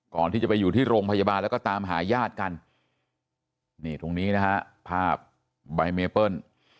ก่อนที่จะไปอยู่ที่โรงพยาบาลแล้วก็ตามหาญาติกันนี่ตรงนี้นะฮะภาพใบเมเปิ้ล